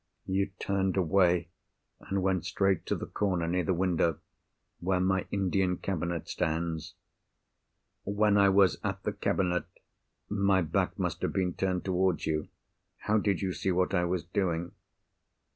"You turned away, and went straight to the corner near the window—where my Indian cabinet stands." "When I was at the cabinet, my back must have been turned towards you. How did you see what I was doing?"